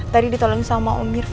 tadi ditolongin sama om irfan